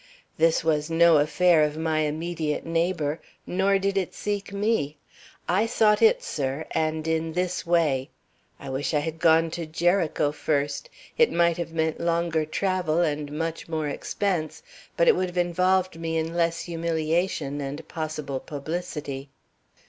This was no affair of my immediate neighbor, nor did it seek me. I sought it, sir, and in this way. I wish I had gone to Jericho first; it might have meant longer travel and much more expense; but it would have involved me in less humiliation and possible publicity.